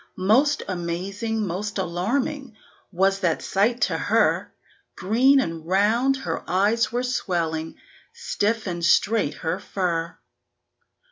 Most amazing, most alarming, was that sight to her; Green and round her eyes were swelling, stiff and straight her fur.